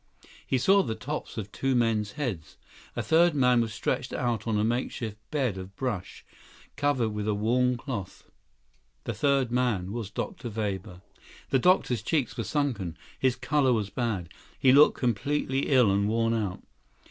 He saw the tops of two men's heads. A third man was stretched out on a makeshift bed of brush, covered with a worn cloth. The third man was Dr. Weber. The doctor's cheeks were sunken. His color was bad. He looked completely ill and worn out.